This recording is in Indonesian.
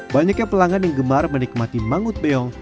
banyaknya pelanggan yang gemar menikmati mangut beong